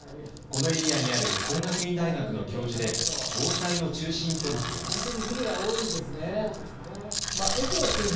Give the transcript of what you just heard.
このエリアにある工学院大学の教授で防災の中心となっています。